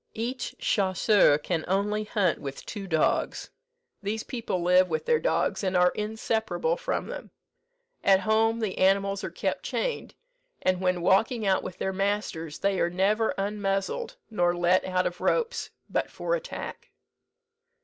"Each chasseur can only hunt with two dogs. These people live with their dogs, and are inseparable from them. At home the animals are kept chained; and when walking out with their masters, they are never unmuzzled nor let out of ropes, but for attack.